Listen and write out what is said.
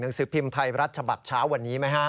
สือพิมพ์ไทยรัฐฉบับเช้าวันนี้ไหมฮะ